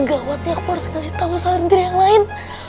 gawat nih aku harus kasih tau salin tira yang lain